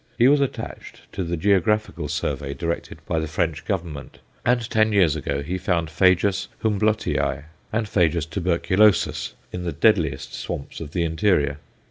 He was attached to the geographical survey directed by the French Government, and ten years ago he found Phajus Humblotii and Phajus tuberculosus in the deadliest swamps of the interior.